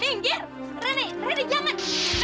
pinggir reni reni jangan